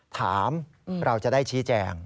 ถามเราจะได้ชี้แจง